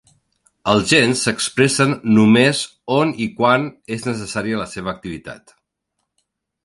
Els gens s’expressen només on i quan és necessària la seva activitat.